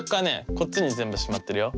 こっちに全部しまってるよ。